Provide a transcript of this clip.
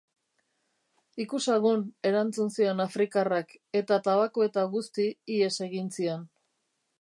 Ikusagun, erantzun zion afrikarrak, eta tabako eta guzti ihes egin zion.